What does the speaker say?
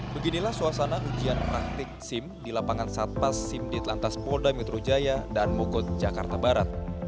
beginilah suasana ujian praktik sim di lapangan satpas sim di atlantas polda mitrojaya dan mogot jakarta barat